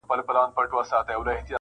په کټ کټ به یې په داسي زور خندله-